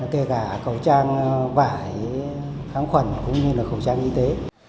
kể cả khẩu trang vải kháng khuẩn cũng như là khẩu trang y tế